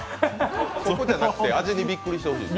そこじゃなくて、味にびっくりしてほしいんです。